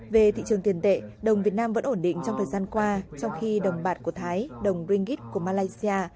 về thị trường tiền tệ đồng việt nam vẫn ổn định trong thời gian qua trong khi đồng bạc của thái đồng bringgit của malaysia